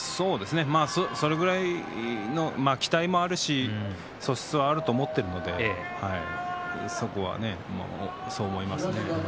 それぐらいの期待もあるし素質はあると思っているのでそこはね、そう思いますね。